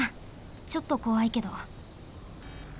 ちょっとこわいけど。